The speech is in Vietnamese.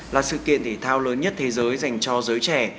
là sự kiện thể thao lớn nhất thế giới dành cho giới trẻ